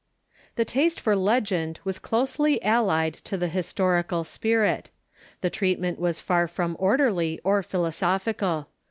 The taste for legend was closely allied to the historical spii it. The treatment was far from orderly or philosophical.